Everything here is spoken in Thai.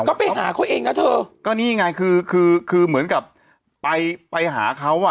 ก็ไปหาเขาเองนะเธอก็นี่ไงคือคือเหมือนกับไปไปหาเขาอ่ะ